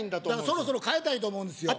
そろそろ変えたいと思うんですよ